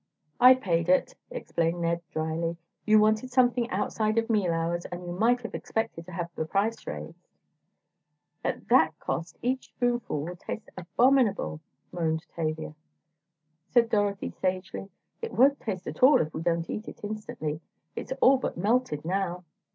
"I paid it," explained Ned, drily. "You wanted something outside of meal hours, and you might have expected to have the price raised." "At that cost each spoonful will taste abominable," moaned Tavia. Said Dorothy sagely: "It won't taste at all if we don't eat it instantly. It's all but melted now."